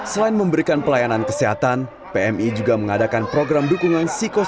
selain memberikan pelayanan kesehatan pmi juga mengadakan program dukungan psikosoi